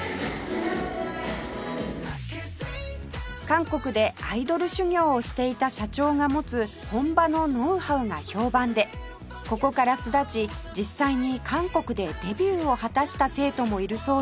韓国でアイドル修業をしていた社長が持つ本場のノウハウが評判でここから巣立ち実際に韓国でデビューを果たした生徒もいるそうです